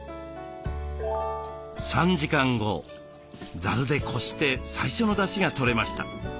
３時間後ザルでこして最初のだしがとれました。